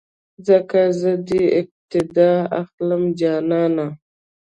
ځکه زه دې اقتیدا اخلم جانانه